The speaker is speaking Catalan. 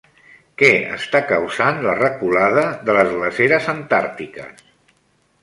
Què està causant la reculada de les glaceres antàrtiques?